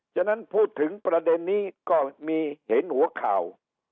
ฉะนั้นพูดถึงประเด็นนี้ก็มีเห็นหัวข่าว